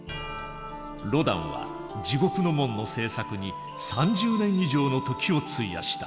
ロダンは「地獄の門」の制作に３０年以上の時を費やした。